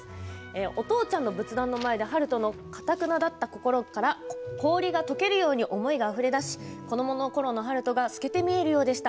お父ちゃんの仏壇の前で悠人のかたくなだった心から氷がとけるように思いがあふれ出し子どものころの悠人が透けて見えるようでした。